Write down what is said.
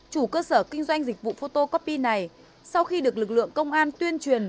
chủ cơ sở kinh doanh dịch vụ photocopy này sau khi được lực lượng công an tuyên truyền